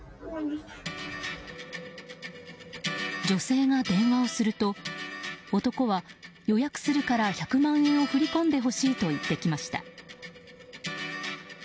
女性が電話をすると男は、予約するから１００万円を振り込んでほしいと言ってきました。